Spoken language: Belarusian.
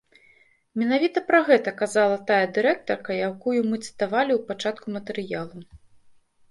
Менавіта пра гэта казала тая дырэктарка, якую мы цытавалі ў пачатку матэрыялу.